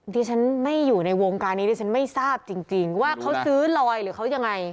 ดิฉันไม่อยู่ในวงการนี้ดิฉันไม่ทราบจริงว่าเขาซื้อลอยหรือเขายังไง